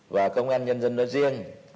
và công an nhân dân nói riêng